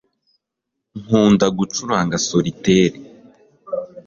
nkunda gucuranga solitaire